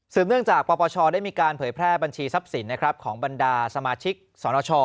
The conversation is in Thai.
เนื่องจากปปชได้มีการเผยแพร่บัญชีทรัพย์สินของบรรดาสมาชิกสนช